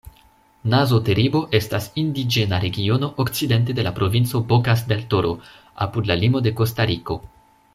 Nazo-Teribo estas indiĝena regiono okcidente de la provinco Bokas-del-Toro, apud la limo de Kostariko.